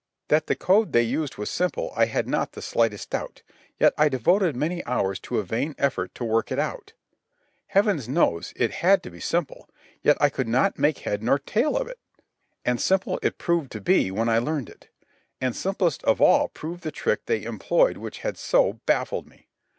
That the code they used was simple I had not the slightest doubt, yet I devoted many hours to a vain effort to work it out. Heaven knows—it had to be simple, yet I could not make head nor tail of it. And simple it proved to be, when I learned it; and simplest of all proved the trick they employed which had so baffled me.